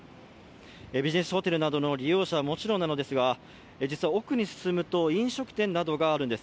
ビジネスホテルなどの利用者はもちろんなんですが、実は奥に進むと飲食店などがあるんです。